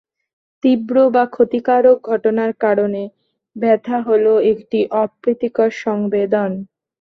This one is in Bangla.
তীব্র বা ক্ষতিকারক ঘটনার কারণে ব্যথা হ'ল একটি অপ্রীতিকর সংবেদন।